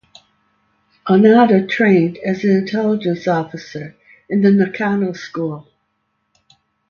Onoda trained as an intelligence officer in the of the Nakano School.